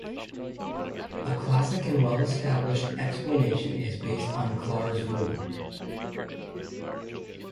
A classic and well established explanation is based on Clar's rule.